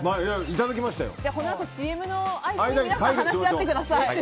このあとＣＭの間に皆さん話し合ってください。